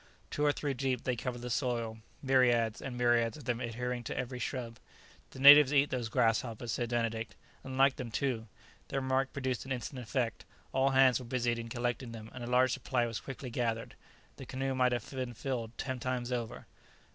Two or three deep they covered the soil, myriads and myriads of them adhering to every shrub. "The natives eat those grasshoppers," said Benedict, "and like them too." The remark produced an instant effect; all hands were busied in collecting them, and a large supply was quickly gathered: the canoe might have been filled ten times over.